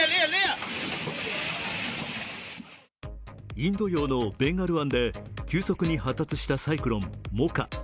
インド洋のベンガル湾で急速に発達したサイクロン、モカ。